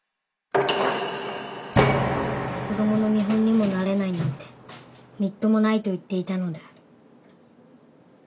子供の見本にもなれないなんてみっともないと言っていたのである。